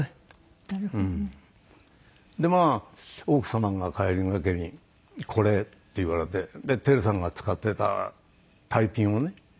でまあ奥様が帰りがけに「これ」って言われて輝さんが使ってたタイピンをね